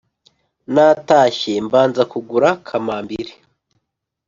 Natashye mbanza kugura kamambiri